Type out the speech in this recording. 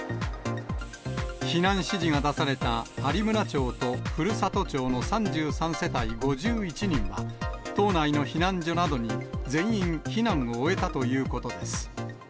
避難指示が出された有村町と古里町の３３世帯５１人は、島内の避難所などに全員、避難を終えたということです。